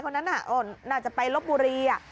คนนั้นน่าจะไปลบบุรี